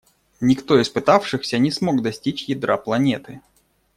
Никто из пытавшихся не смог достичь ядра планеты.